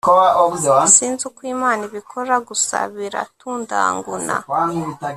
sinzi uko imana ibikora gusa biratundanguna